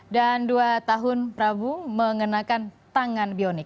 dan dua tahun prabu mengenakan tangan bionik